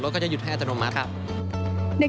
รถก็จะหยุดให้อัตโนมัติ